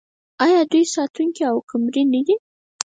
آیا دوی ساتونکي او کمرې نلري؟